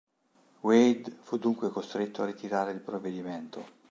Wade fu dunque costretto a ritirare il provvedimento.